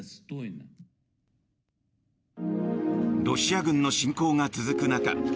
ロシア軍の侵攻が続く中